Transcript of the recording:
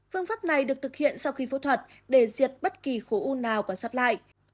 phương pháp này được thực hiện sau khi phẫu thuật để diệt bất kỳ khổ u nào còn sắp lại